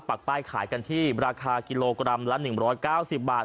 ปากป้ายขายกันที่ราคากิโลกรัมละหนึ่งร้อยเก้าสิบบาท